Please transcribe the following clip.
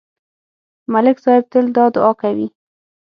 ملک صاحب تل دا دعا کوي.